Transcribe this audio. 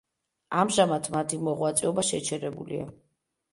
ამჟამად მათი მოღვაწეობა შეჩერებულია.